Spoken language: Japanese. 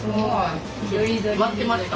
待ってました。